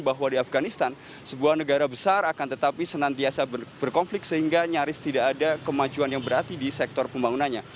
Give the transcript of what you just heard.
bahwa di afganistan sebuah negara besar akan tetapi senantiasa berkonflik sehingga nyaris tidak ada kemajuan yang berarti di sektor pembangunannya